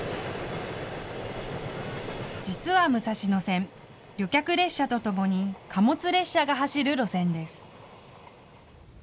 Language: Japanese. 実は武蔵野線、旅客列車とともに貨物列車が走る路線です。